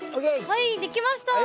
はい出来ました。